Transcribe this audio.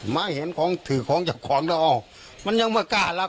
มาเห็นเอาของถือของจับของเดียวอ่ะละบูวน่ะแล้วครับ